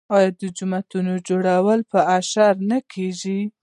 آیا د جومات جوړول په اشر نه کیږي؟